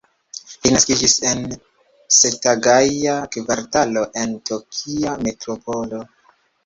Li naskiĝis en Setagaja-kvartalo en Tokia Metropolo.